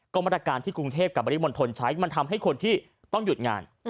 มาตรการที่กรุงเทพกับบริมณฑลใช้มันทำให้คนที่ต้องหยุดงาน